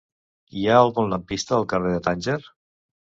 Hi ha algun lampista al carrer de Tànger?